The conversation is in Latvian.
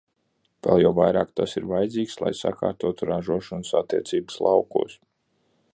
Vēl jo vairāk tas ir vajadzīgs, lai sakārtotu ražošanas attiecības laukos.